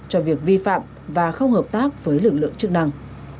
cho việc vi phạm và không hợp tác với lực lượng chức năng